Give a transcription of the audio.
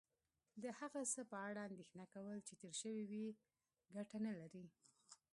د هغه څه په اړه اندېښنه کول چې تیر شوي وي کټه نه لرې